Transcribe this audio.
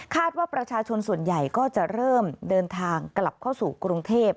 ว่าประชาชนส่วนใหญ่ก็จะเริ่มเดินทางกลับเข้าสู่กรุงเทพ